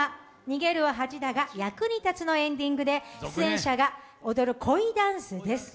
「逃げるは恥だが役に立つ」のエンディングで出演者が踊る「恋ダンス」です。